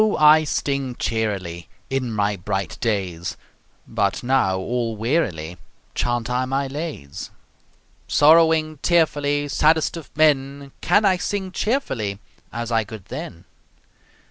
I sting cheerily In my bright days, But now all wearily Chaunt I my lays; Sorrowing tearfully, Saddest of men, Can I sing cheerfully, As I could then?